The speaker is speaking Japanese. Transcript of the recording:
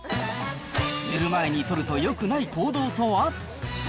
寝る前に取るとよくない行動とは。